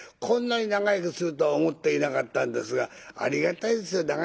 こんなに長生きするとは思っていなかったんですがありがたいですよ